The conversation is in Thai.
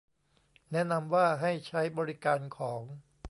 แนะนำว่าให้ใช้บริการของ